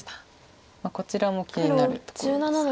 こちらも気になるところです。